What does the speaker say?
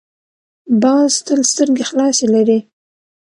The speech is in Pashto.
باز تل سترګې خلاصې لري